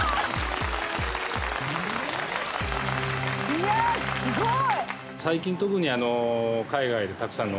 いやすごい！